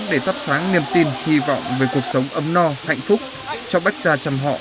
để tắp sáng niềm tin hy vọng về cuộc sống ấm no hạnh phúc cho bách gia trầm họ